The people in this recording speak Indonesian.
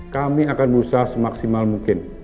kami akan berusaha semaksimal mungkin